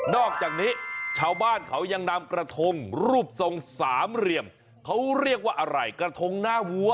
อกจากนี้ชาวบ้านเขายังนำกระทงรูปทรงสามเหลี่ยมเขาเรียกว่าอะไรกระทงหน้าวัว